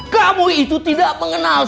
kamu itu tidak mengenal